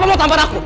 papa mau tampan aku